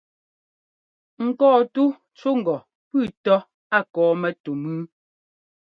Ŋkɔ́ɔtú cú ŋgɔ pʉ́ʉ tɔ́ a kɔ́ɔ mɛtú mʉ́ʉ.